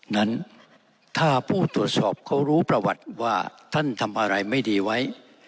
นั้นถ้าผู้ตรวจสอบเขารู้ประวัติว่าท่านทำอะไรไม่ดีไว้